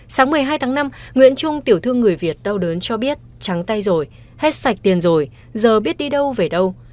sáng một mươi hai tháng năm nguyễn trung tiểu thương người việt đau đớn cho biết trắng tay rồi hết sạch tiền rồi giờ biết đi đâu về đâu